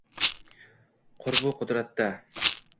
Qurbu qudratda